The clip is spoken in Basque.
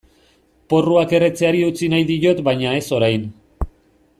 Porruak erretzeari utzi nahi diot baina ez orain.